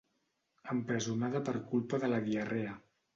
Empresonada per culpa de la diarrea.